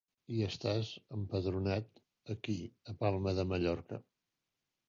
I estàs empadronat aquí a Palma de Mallorca.